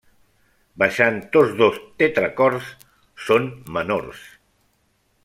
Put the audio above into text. Baixant tots dos tetracords són menors.